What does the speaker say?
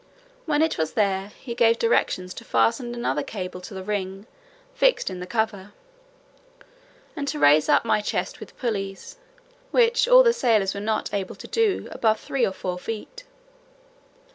When it was there, he gave directions to fasten another cable to the ring fixed in the cover, and to raise up my chest with pulleys, which all the sailors were not able to do above two or three feet."